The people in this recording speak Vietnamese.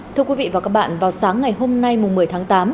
thưa quý vị và các bạn vào sáng ngày hôm nay một mươi tháng tám